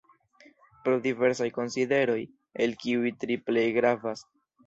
Pro diversaj konsideroj, el kiuj tri plej gravas.